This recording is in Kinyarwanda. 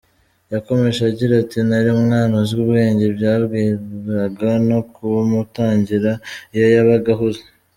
Yakomeje agira ati “Nari umwana uzi ubwenge yambwiraga no kuwumutangira iyo yabaga ahuze.